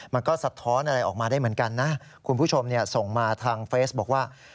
มันก็สะท้อนอะไรออกมาได้เหมือนกันนะคุณผู้ชมส่งมาทางเฟซบอกว่า